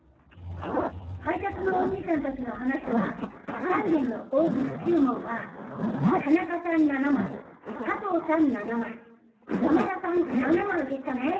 配達のお兄さんたちの話では３件の大口注文は田中さん７枚加藤さん７枚山田さん７枚でしたね。